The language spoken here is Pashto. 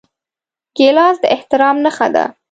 ګیلاس د احترام نښه ده.